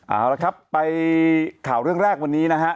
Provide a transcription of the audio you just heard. เอาละครับไปข่าวเรื่องแรกวันนี้นะฮะ